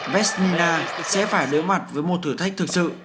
vesila sẽ phải đối mặt với một thử thách thực sự